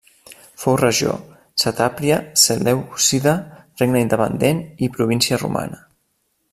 Fou regió, satrapia selèucida, regne independent i província romana.